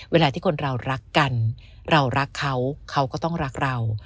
เวลาที่คนเรารักกันเรารักเขาเขาก็ต้องรักเรา